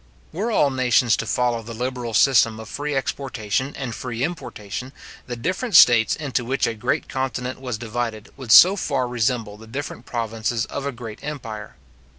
Were all nations to follow the liberal system of free exportation and free importation, the different states into which a great continent was divided, would so far resemble the different provinces of a great empire.